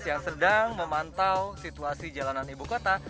yang sedang memantau situasi jalanan ibu kota